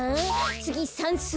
つぎさんすう！